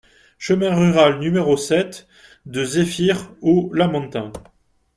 Chemin Rural No sept de Zéphyr au Lamentin